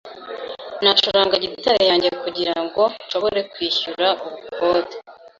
Nacuranga gitari yanjye kugira ngo nshobore kwishyura ubukode.